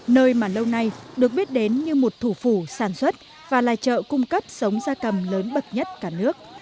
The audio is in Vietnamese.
nơi mà lâu nay được biết đến như một thủ phủ sản xuất và là chợ cung cấp sống gia cầm lớn bậc nhất cả nước